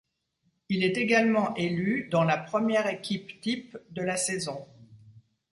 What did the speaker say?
Il est également élu dans la première équipe type de la saison.